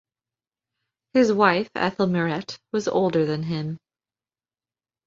His wife Ethel Mairet was older than him.